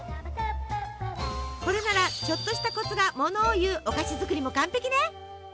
これならちょっとしたコツがものを言うお菓子作りも完璧ね！